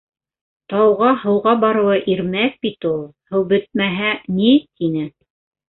— Тауға һыуға барыуы ирмәк бит ул. Һыу бөтмәһә ни, — тине.